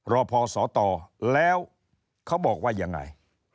รอพอสตแล้วเขาบอกว่ายังไง